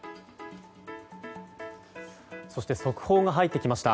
そして速報が入ってきました。